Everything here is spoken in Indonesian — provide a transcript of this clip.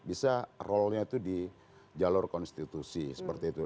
bisa rolnya itu di jalur konstitusi seperti itu